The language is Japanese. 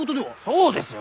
そうですよ